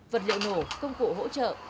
vật liệu nổ công cụ hỗ trợ